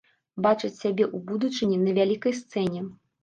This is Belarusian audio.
Бачаць сябе ў будучыні на вялікай сцэне.